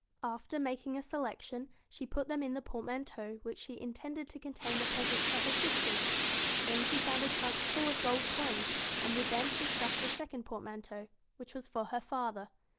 After making a selection, she put them in the portmanteau which she intended to contain the presents for her sisters. Then she found a trunk full of gold coins, and with them she stuffed the second portmanteau, which was for her father.